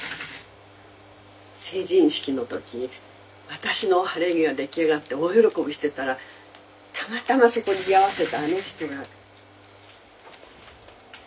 成人式の時私の晴れ着が出来上がって大喜びしてたらたまたまそこに居合わせたあの人が。